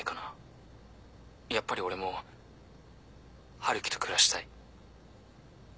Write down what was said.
やっぱり俺も春樹と暮らしたい。